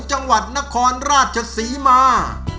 จังหวัดนครราชศรีมา